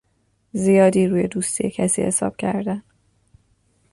زیادی روی دوستی کسی حساب کردن